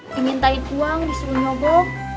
dimintain uang disuruh nyobok